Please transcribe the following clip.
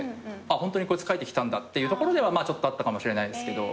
ホントにこいつ書いてきたんだっていうところではあったかもしれないですけど。